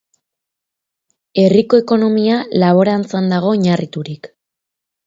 Herriko ekonomia laborantzan dago oinarriturik.